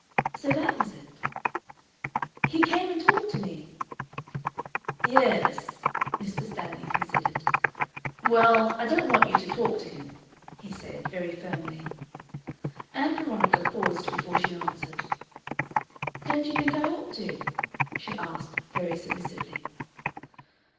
So that was it! "He came and talked to me." "Ye e es." Mr. Stanley considered. "Well, I don't want you to talk to him," he said, very firmly. Ann Veronica paused before she answered. "Don't you think I ought to?" she asked, very submissively.